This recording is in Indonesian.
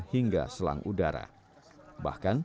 hingga perangkap ikan yang berbeda